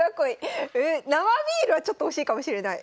生ビールはちょっと惜しいかもしれない。